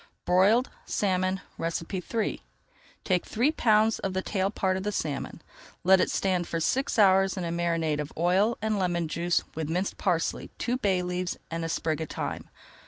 BROILED SALMON III Take three pounds of the tail part of the salmon, let it stand for six hours in a marinade of oil and lemon juice, with minced parsley, two bay leaves and a sprig of thyme.